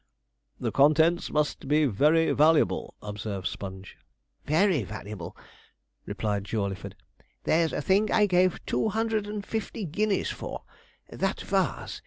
'The contents must be very valuable,' observed Sponge. 'Very valuable,' replied Jawleyford. 'There's a thing I gave two hundred and fifty guineas for that vase.